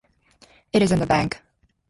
It is in the bank.